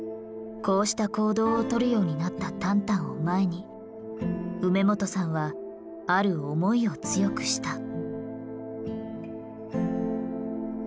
こうした行動をとるようになったタンタンを前に梅元さんはある思いを強くした。